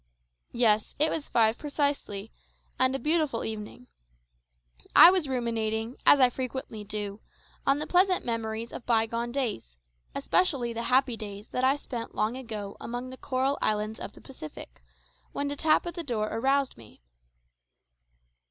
Yes, it was five precisely, and a beautiful evening. I was ruminating, as I frequently do, on the pleasant memories of bygone days, especially the happy days that I spent long ago among the coral islands of the Pacific, when a tap at the door aroused me.